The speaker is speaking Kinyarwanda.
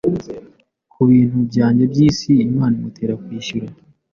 Kubintu byanjye byisi Imana imutera kwishyura